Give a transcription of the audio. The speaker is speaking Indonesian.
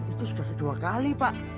itu sudah dua kali pak